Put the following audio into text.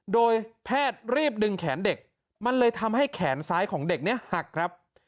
โดยแพทย์รีบดึงแขนเด็กมันเลยทำให้แขนซ้ายของเด็กนี้หักครับ